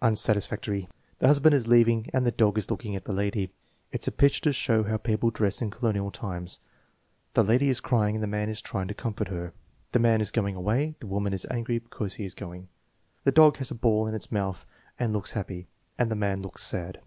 Unsatisfactory. "The husband is leaving and the dog is looking at the lady." "It's a picture to show how people dressed in colonial tunes." "The lady is crying and the man is trying to comfort her." "The man is going away. The woman is angry because he is going. The dog has a ball in its mouth and looks happy, and the man looks sad."